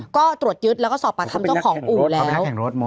ก็ตรวจยึดแล้วก็สอบปากคำเจ้าของอู่แล้ว